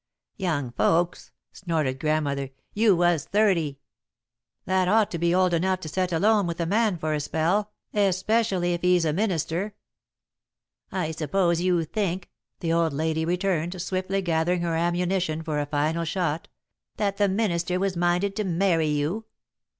"Young folks!" snorted Grandmother. "You was thirty!" "That ought to be old enough to set alone with a man for a spell, especially if he's a minister." "I suppose you think," the old lady returned, swiftly gathering her ammunition for a final shot, "that the minister was minded to marry you.